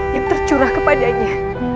yang tercurah kepadanya